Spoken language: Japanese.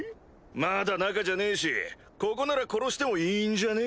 まだ中じゃねえしここなら殺してもいいんじゃね？